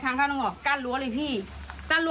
ทางท่านต้องบอกกั้นรั้วเลยพี่กั้นรั้วไว้บ้านหนูเนี้ย